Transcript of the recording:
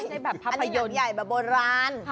อันนี้หนังใหญ่แบบโบราณ